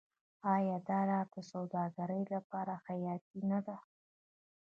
آیا دا لاره د سوداګرۍ لپاره حیاتي نه ده؟